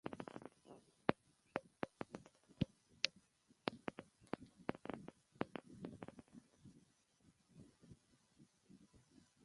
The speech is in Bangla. তিনি জর্জ ওয়াশিংটন বিশ্ববিদ্যালয়ে মনোবিজ্ঞান এবং জৈবিক বিজ্ঞানে অধ্যয়ন করেছিলেন এবং জৈবিক বিজ্ঞানে স্নাতক ডিগ্রি অর্জন করেছিলেন।